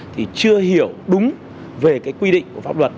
thì chưa hiểu đúng về cái quy định của pháp luật